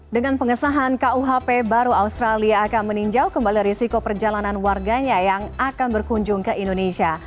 dengan pengesahan kuhp baru australia akan meninjau kembali risiko perjalanan warganya yang akan berkunjung ke indonesia